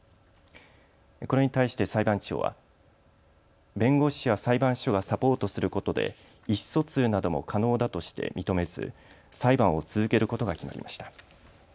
これに対して裁判長は弁護士や裁判所がサポートすることで意思疎通なども可能だとして認めず裁判を続けることが決まりました。